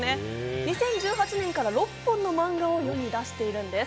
２０１８年から６本の漫画を世に出しているんです。